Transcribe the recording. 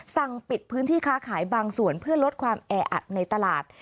สั่งปิดพื้นที่ค้าขายบางส่วนเพื่อลดความแออัดในตลาด